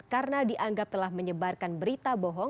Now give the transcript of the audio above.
karena dianggap telah menyebarkan berita bohong bohong